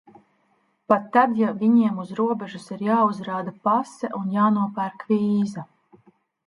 Pat tad, ja viņiem uz robežas ir jāuzrāda pase un jānopērk vīza.